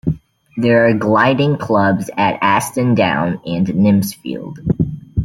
There are gliding clubs at Aston Down and Nympsfield.